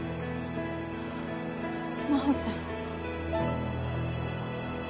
真帆さん。